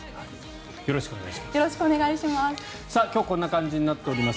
よろしくお願いします。